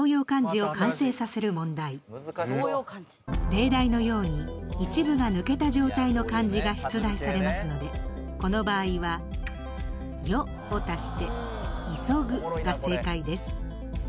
例題のように一部が抜けた状態の漢字が出題されますのでこの場合は「ヨ」を足して「急ぐ」が正解です。